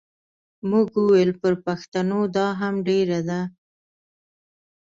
موږ وویل پر پښتنو دا هم ډېره ده.